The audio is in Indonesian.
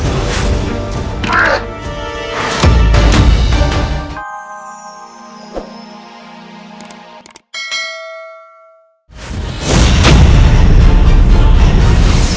aku akan menang